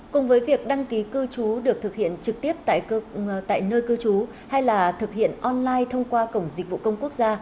cùng với việc đăng ký cư trú được thực hiện trực tiếp tại nơi cư trú hay là thực hiện online thông qua cổng dịch vụ công quốc gia